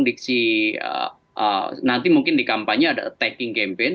diksi nanti mungkin di kampanye ada attacking campaign